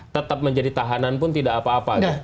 tetap menjadi tahanan pun tidak apa apa